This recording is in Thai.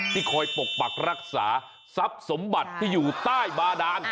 คอยปกปักรักษาทรัพย์สมบัติที่อยู่ใต้บาดาน